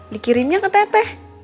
dikirimnya ke teteh